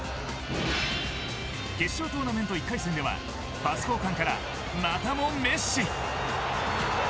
決勝トーナメント１回戦ではパス交換からまたもメッシ。